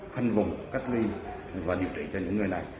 khoanh vùng cách ly và điều trị cho những người này